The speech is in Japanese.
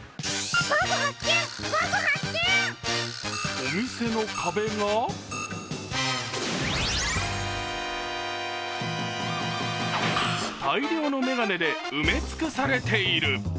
お店の壁が大量の眼鏡で埋め尽くされている。